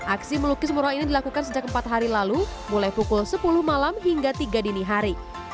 aksi melukis mural ini dilakukan sejak empat hari lalu mulai pukul sepuluh malam hingga tiga dini hari